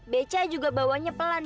beca juga bawanya pelan